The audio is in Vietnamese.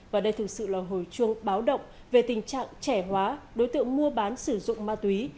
và đây thực sự là hồi chuông báo động về tình trạng trẻ hóa đối tượng mua bán sử dụng ma túy